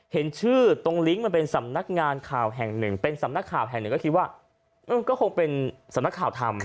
เห็นชื่อตรงลิงก์มันเป็นสำนักงานข่าวแห่งหนึ่งเป็นสำนักข่าวแห่งหนึ่งก็คิดว่าก็คงเป็นสำนักข่าวธรรม